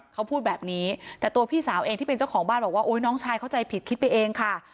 เขาพูดแบบนี้แต่ตัวพี่สาวเองที่เป็นเจ้าของบ้านบอกว่าโอ๊ยน้องชายเข้าใจผิดคิดไปเองค่ะ